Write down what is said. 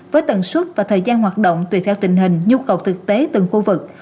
với tần suất và thời gian hoạt động tùy theo tình hình nhu cầu thực tế từng khu vực